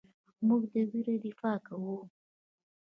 موږ د ویرې دفاع کوو.